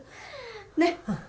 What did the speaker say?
ねっ。